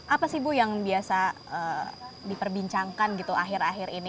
apa sih bu yang biasa diperbincangkan gitu akhir akhir ini